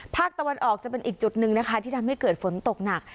ภาคตะวันออกจะเป็นอีกจุดหนึ่งนะคะที่ทำให้เกิดฝนตกหนัก